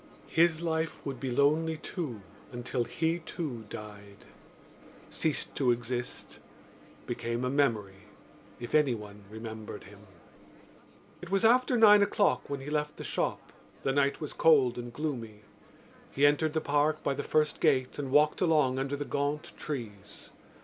His life would be lonely too until he, too, died, ceased to exist, became a memory—if anyone remembered him. It was after nine o'clock when he left the shop. The night was cold and gloomy. He entered the Park by the first gate and walked along under the gaunt trees.